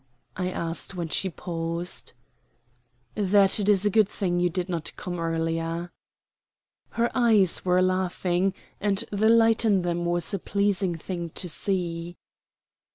I asked when she paused. "That it is a good thing you did not come earlier." Her eyes were laughing, and the light in them was a pleasing thing to see.